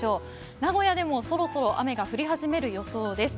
名古屋でもそろそろ雨が降り始める予想です。